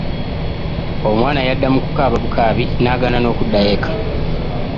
Omwana yadda mu kukaaba bukaabi n’agaana n'okuddayo eka.